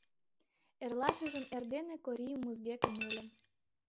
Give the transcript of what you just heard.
Эрлашыжым эрдене Корий музге кынеле.